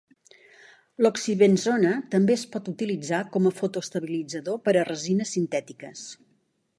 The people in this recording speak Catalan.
L'oxibenzona també es pot utilitzar com a fotoestabilitzador per a resines sintètiques.